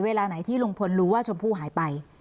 เวลาไหนที่ลุงพลรู้ว่าชมพู่หายไป